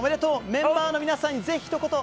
メンバーの皆さんにぜひひと言。